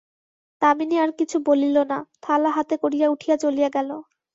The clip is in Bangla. দামিনী আর কিছু বলিল না, থালা হাতে করিয়া উঠিয়া চলিয়া গেল।